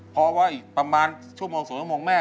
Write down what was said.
เพราะว่าอีกประมาณชั่วโมงแม่